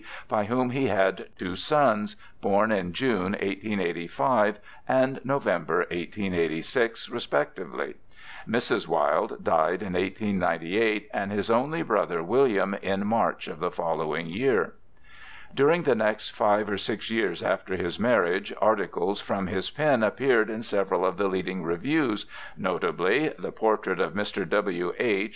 by whom he had two sons, born in June, 1885, and November, 1886, respectively. Mrs. Wilde died in 1898, and his only brother, William, in March of the following year. During the next five or six years after his marriage, articles from his pen appeared in several of the leading reviews, notably 'The Portrait of Mr. W. H.'